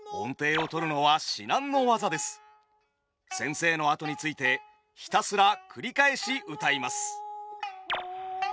先生のあとについてひたすら繰り返しうたいます。